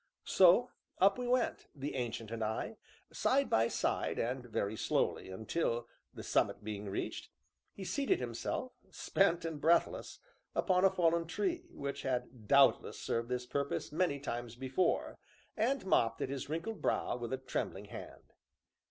So up we went, the Ancient and I, side by side, and very slowly, until, the summit being reached, he seated himself, spent and breathless, upon a fallen tree, which had doubtless served this purpose many times before, and mopped at his wrinkled brow with a trembling hand.